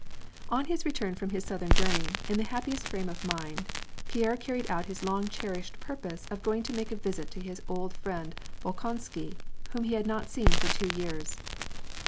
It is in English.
Os his return from his southern joutney, in the happiest frame of mind, Pierre carried out his long cherished purpose of going to make a visit to his old friend Bolkonsky, whom he had not seen for two years.